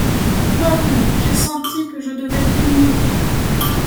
peuple, j'ai senti que je devais punir